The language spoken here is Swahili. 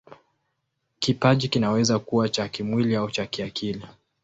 Kipaji kinaweza kuwa cha kimwili au cha kiakili.